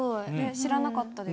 知らなかったです。